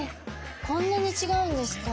こんなに違うんですか？